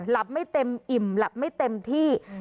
ไม่เต็มอิ่มหลับไม่เต็มที่